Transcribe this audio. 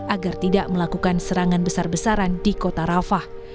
agar tidak melakukan serangan besar besaran di kota rafah